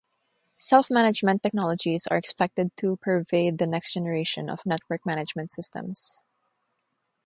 Self-Management technologies are expected to pervade the next generation of network management systems.